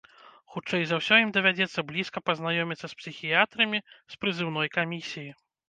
Хутчэй за ўсё ім давядзецца блізка пазнаёміцца з псіхіятрамі з прызыўной камісіі.